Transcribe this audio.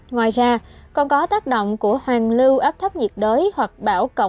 ngoài ra còn có tác động của hoàng lưu áp thấp nhiệt đới hoặc bão